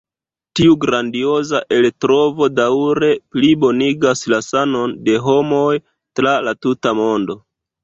Tiu grandioza eltrovo daŭre plibonigas la sanon de homoj tra la tuta mondo.